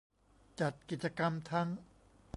จัดกิจกรรมทั้ง